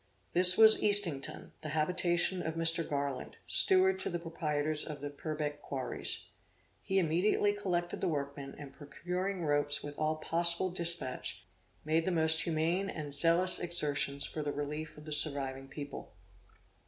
This was Eastington, the habitation of Mr. Garland, steward to the proprietors of the Purbeck quarries. He immediately collected the workmen, and procuring ropes with all possible despatch, made the most humane and zealous exertions for the relief of the surviving people.